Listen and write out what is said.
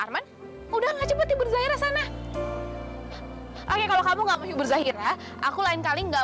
arman udah ngacepet hibur zahira sana oke kalau kamu nggak mau hibur zahira aku lain kali nggak